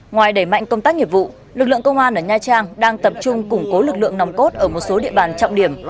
ngoài đẩy mạnh công tác nghiệp vụ lực lượng công an ở nha trang đang tập trung củng cố lực lượng nòng cốt ở một số địa bàn trọng điểm